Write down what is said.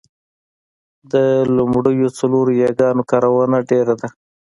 د لومړنیو څلورو یاګانو کارونه ډېره ده